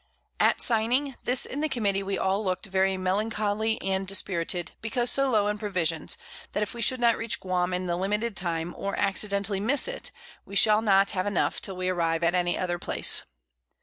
_] At signing this in the Committee we all looked very melancholy and dispirited, because so low in Provisions, that if we should not reach Guam in the limited Time, or accidentally miss it, we shall not have enough till we arrive at any other Place.